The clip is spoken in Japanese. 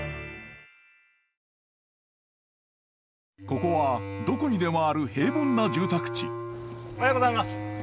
ここはどこにでもある平凡な住宅地おはようございます。